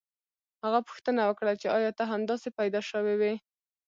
هغه پوښتنه وکړه چې ایا ته همداسې پیدا شوی وې